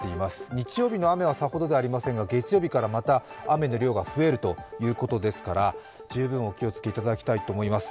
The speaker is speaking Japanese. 日曜日の雨はさほどではありませんが月曜日からまた雨の量が増えるということですから十分お気を付けいただきたいと思います。